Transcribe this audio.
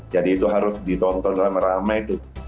jadi itu harus ditonton ramai ramai